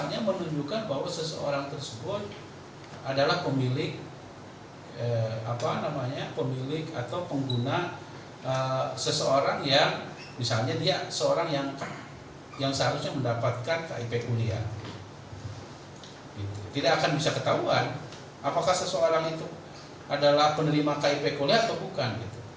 yang seharusnya mendapatkan kip kuliah tidak akan bisa ketahuan apakah seseorang itu adalah penerima kip kuliah atau bukan